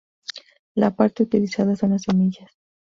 La parte utilizada son las semillas.